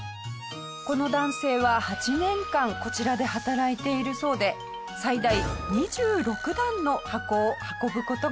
この男性は８年間こちらで働いているそうで最大２６段の箱を運ぶ事ができるそうです。